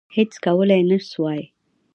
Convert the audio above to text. هیڅ کولای نه سوای.